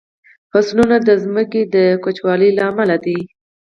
فصلونه د ځمکې د کجوالي له امله دي.